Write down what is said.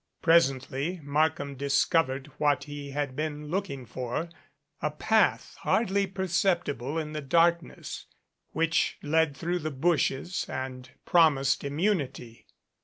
Presently Markham discovered what he had been looking for a path hardly perceptible in the dark ness, which led through the bushes and promised immu nity.